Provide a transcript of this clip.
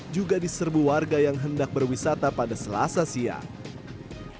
juga diserbu warga yang hendak berwisata pada selasa siang